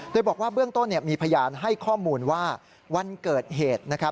โดยบอกว่าเบื้องต้นมีพยานให้ข้อมูลว่าวันเกิดเหตุ